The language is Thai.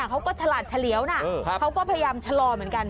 เขาก็ฉลาดเฉลียวนะเขาก็พยายามชะลอเหมือนกัน